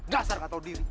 gasar gak tau diri